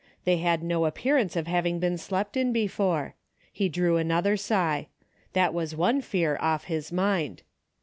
They had no appearance of having been slept in before. He drew another sigh. That was one fear off his mind.